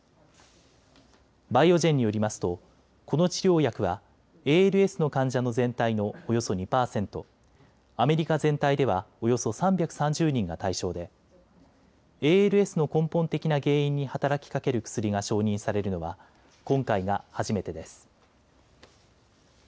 バイオジェンによりますとこの治療薬はＡＬＳの患者の全体のおよそ２％、アメリカ全体ではおよそ３３０人が対象でＡＬＳの根本的な原因に働きかける薬が承認されるのは今回が初めてです。